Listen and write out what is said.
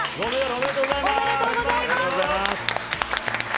おめでとうございます。